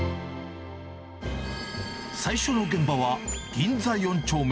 最初の現場は、銀座４丁目。